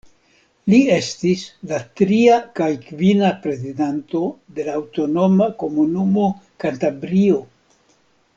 Li estis la tria kaj kvina prezidanto de la aŭtonoma komunumo Kantabrio.